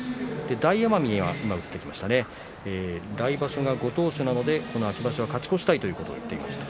大奄美は来場所はご当所なので秋場所、勝ち越したいという話をしていました。